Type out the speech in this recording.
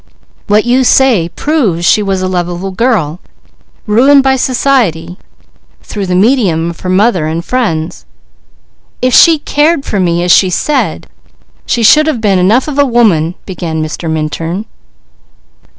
What you say proves she was a lovable girl, ruined by society, through the medium of her mother and friends." "If she cared for me as she said, she should have been enough of a woman " began Mr. Minturn.